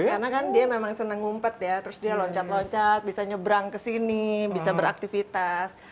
karena kan dia memang senang ngumpet ya terus dia loncat loncat bisa nyebrang ke sini bisa beraktivitas